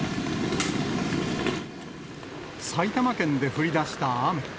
埼玉県で降りだした雨。